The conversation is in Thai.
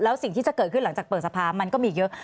แล้วสิ่งที่จะเกิดขึ้นหลังจากเปิดสภามันก็มีอีกเยอะ